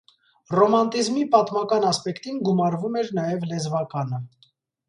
Ռոմանտիզմի պատմական ասպեկտին գումարվում էր նաև լեզվականը։